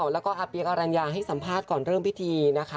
แล้วก็อาเปี๊กอรัญญาให้สัมภาษณ์ก่อนเริ่มพิธีนะคะ